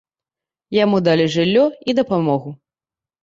Яму далі жыллё і дапамогу.